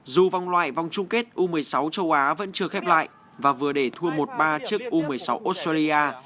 dù vòng loại vòng chung kết u một mươi sáu châu á vẫn chưa khép lại và vừa để thua một ba chiếc u một mươi sáu australia